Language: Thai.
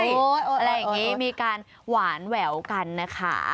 อะไรอย่างนี้มีการหวานแหววกันนะคะ